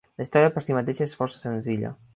La història per si mateixa és força senzilla.